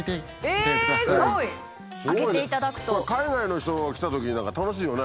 海外の人が来たときなんか楽しいよね。